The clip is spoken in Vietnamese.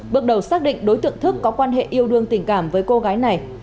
bước đầu xác định đối tượng thức có quan hệ yêu đương tình cảm với cô gái này